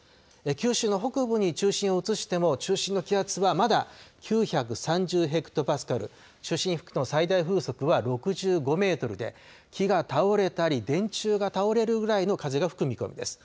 九州の北部に中心を移しても、中心の気圧はまだ９３０ヘクトパスカル、中心付近の最大風速は６５メートルで、木が倒れたり、電柱が倒れるぐらいの風が吹く見込みです。